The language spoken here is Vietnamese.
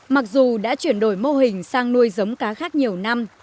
mặc dù đã chuyển đổi mô hình sang nuôi giống cá khác nhiều năm